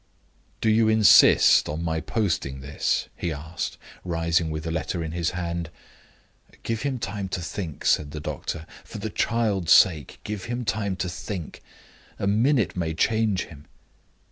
"Do you insist on my posting this?" he asked, rising with the letter in his hand. "Give him time to think," said the doctor. "For the child's sake, give him time to think! A minute may change him."